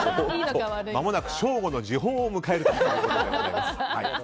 まもなく正午の時報を迎えるところです。